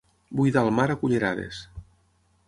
Buidar el mar a cullerades.